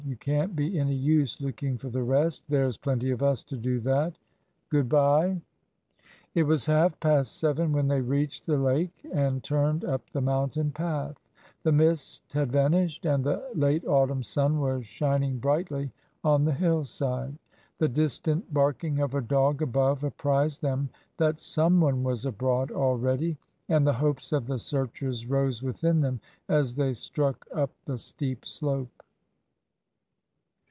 You can't be any use looking for the rest. There's plenty of us to do that. Good bye." It was half past seven when they reached the lake and turned up the mountain path. The mist had vanished, and the late autumn sun was shining brightly on the hill side. The distant barking of a dog above apprised them that some one was abroad already, and the hopes of the searchers rose within them as they struck up the steep slope.